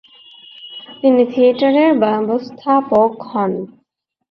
তিনি থিয়েটারের ব্যবস্থাপক হন।